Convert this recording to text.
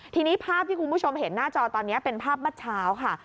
ทีนี้ภาพที่คุณผู้ชมเห็นหน้าจอตอนนี้เป็นภาพเมื่อเช้าค่ะ